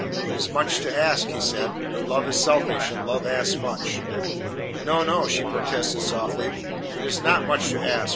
"It is much to ask," he said. "But love is selfish, and love asks much." "No, no," she protested softly, "it is not much to ask.